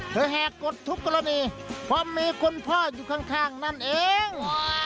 แหกกดทุกกรณีเพราะมีคนพ่ออยู่ข้างนั่นเอง